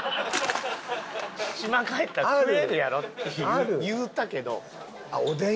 島帰ったら食えるやろって言うたけど。